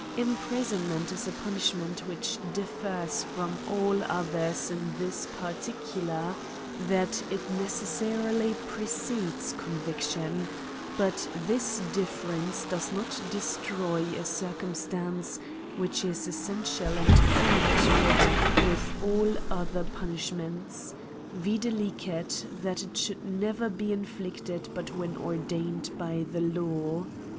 Imprisonment is a punishment which differs from all others in this particular, that it necessa rily precedes conviction ; but this difference does not destroy a circumstance which is essential and common to it with all other punishments, viz. that it should never be inflicted but when ordain ed by the law.